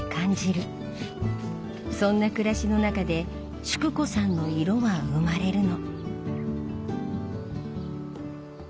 そんな暮らしの中で淑子さんの色は生まれるの。